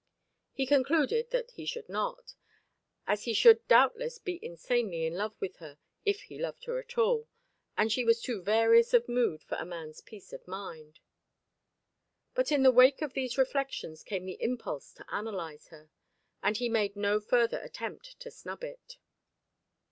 He concluded that he should not, as he should doubtless be insanely in love with her if he loved her at all, and she was too various of mood for a man's peace of mind. But in the wake of these reflections came the impulse to analyse her, and he made no further attempt to snub it.